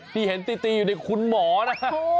นี้เห็นตีตีอยู่ดีคุณหมอนะ